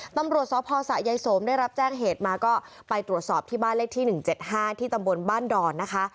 ตำรวจศพสระยายสมได้รับแจ้งเหตุมาก็ไปตรวจสอบที่บ้านเล็กที่หนึ่งเจ็ดห้าที่ตำบลบ้านดรนะคะ